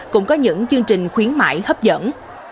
cũng có những chương trình khuyến mại hấp dẫn